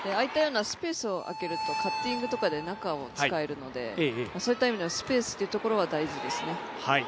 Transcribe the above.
スペースを空けるとカッティングとかで中を使えるのでそういった意味でもスペースというところは大事ですね。